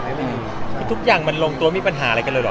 คือทุกอย่างมันลงตัวมีปัญหาอะไรกันเลยเหรอ